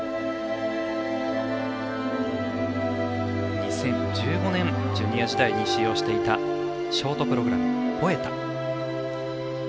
２０１５年、ジュニア時代に使用していたショートプログラム「ポエタ」。